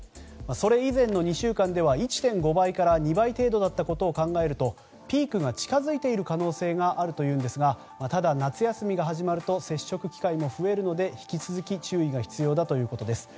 それ以前の２週間では１．５倍から２倍程度だったことを考えるとピークが近づいている可能性があるというんですがただ、夏休みが始まると接触機会も増えるので引き続き注意が必要だということです。